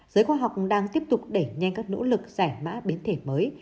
giới khoa học đang tiếp tục đẩy nhanh các nỗ lực giải mã biến thể mới